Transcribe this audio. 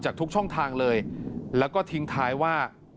ทุกช่องทางเลยแล้วก็ทิ้งท้ายว่า